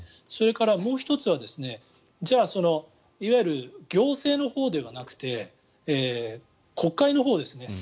それからもう１つは、じゃあそのいわゆる行政のほうではなくて国会のほうですね